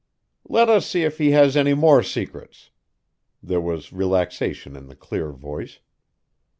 "Let us see if he has any more secrets!" There was relaxation in the clear voice.